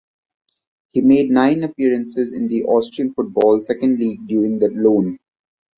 He made nine appearances in the Austrian Football Second League during the loan.